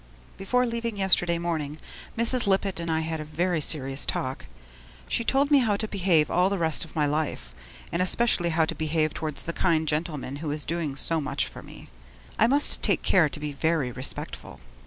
Before leaving yesterday morning, Mrs. Lippett and I had a very serious talk. She told me how to behave all the rest of my life, and especially how to behave towards the kind gentleman who is doing so much for me. I must take care to be Very Respectful.